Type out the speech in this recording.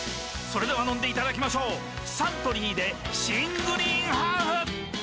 それでは飲んでいただきましょうサントリーで新「グリーンハーフ」！